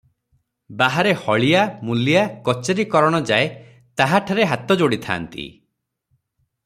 ବାହାରେ ହଳିଆ, ମୂଲିଆ, କଚେରୀ କରଣଯାଏ ତାହା ଠାରେ ହାତ ଯୋଡ଼ିଥାନ୍ତି ।